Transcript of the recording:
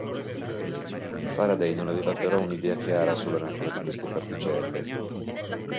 Faraday non aveva però un'idea chiara sulla natura di queste particelle.